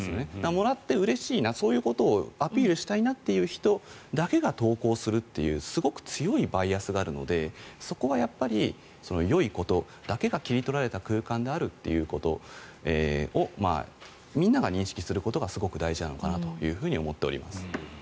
もらってうれしいなそういうことをアピールしたいなという人だけが投稿するというすごく強いバイアスがあるのでそこはやっぱりよいことだけが切り取られた空間であるということをみんなが認識することがすごく大事なのかなと思っております。